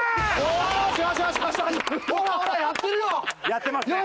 やってますよ！